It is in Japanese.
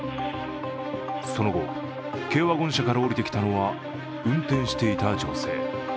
その後、軽ワゴン車から降りてきたのは運転していた女性。